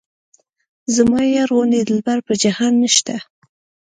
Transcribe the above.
زما یار غوندې دلبر په جهان نشته.